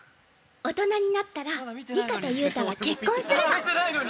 大人になったら里香と憂太は結婚するの。